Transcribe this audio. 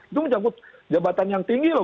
itu menyangkut jabatan yang tinggi loh